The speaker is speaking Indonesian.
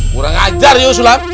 kurang ajar yuk sulap